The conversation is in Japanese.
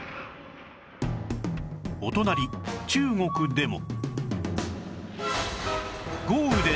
お隣中国でも